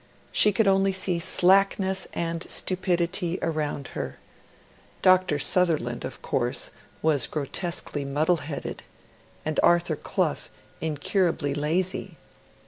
She could only see slackness and stupidity around her. Dr. Sutherland, of course, was grotesquely muddle headed; and Arthur Clough incurably lazy.